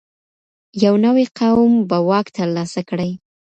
یو نوی قوم به واک ترلاسه کړي.